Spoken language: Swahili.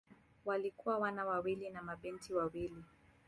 Walikuwa wana wawili na mabinti wawili.